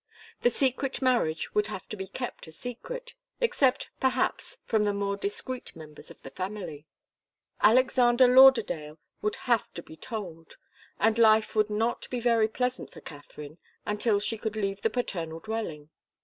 The secret marriage would have to be kept a secret, except, perhaps, from the more discreet members of the family. Alexander Lauderdale would have to be told, and life would not be very pleasant for Katharine until she could leave the paternal dwelling.